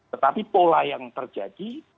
tetapi pola yang terjadi